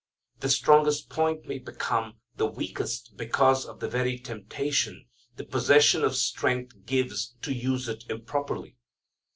The strongest point may become the weakest because of the very temptation the possession of strength gives to use it improperly.